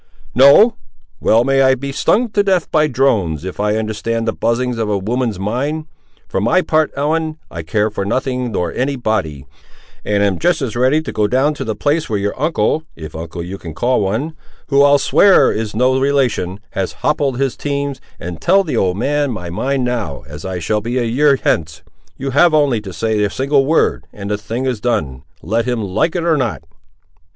"No! well, may I be stung to death by drones, if I understand the buzzings of a woman's mind! For my part, Ellen, I care for nothing nor any body; and am just as ready to go down to the place where your uncle, if uncle you can call one, who I'll swear is no relation, has hoppled his teams, and tell the old man my mind now, as I shall be a year hence. You have only to say a single word, and the thing is done; let him like it or not."